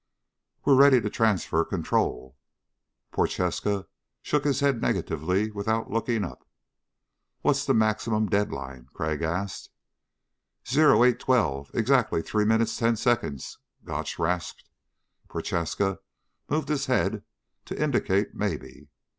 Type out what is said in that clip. "We're ready to transfer control." Prochaska shook his head negatively without looking up. "What's the maximum deadline?" Crag asked. "0812, exactly three minutes, ten seconds," Gotch rasped. Prochaska moved his head to indicate maybe.